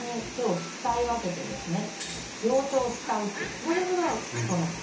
両手を使うっていうことです。